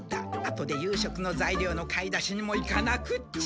後で夕食のざいりょうの買い出しにも行かなくっちゃ。